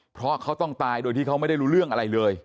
เพราะเขาต้องตายโดยที่เขาไม่ได้รู้เรื่องอะไรเลย